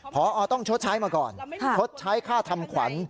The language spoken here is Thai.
พอต้องชดใช้มาก่อนชดใช้ค่าทำขวัญ